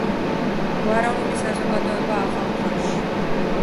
გვაროვნული საზოგადოება ახალ დროში